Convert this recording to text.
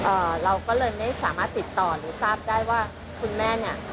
เราก็เลยไม่สามารถติดต่อหรือทราบได้ว่าคุณแม่เนี่ย